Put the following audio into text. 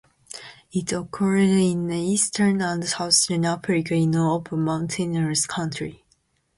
It occurs in eastern and southern Africa in open, mountainous country.